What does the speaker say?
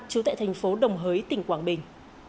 trú tại thành phố đồng hới tỉnh quảng bình